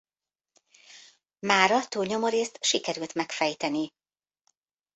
Mára túlnyomórészt sikerült megfejteni.